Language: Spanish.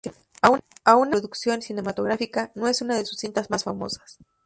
Aun así la producción cinematográfica no es una de sus cintas más famosas.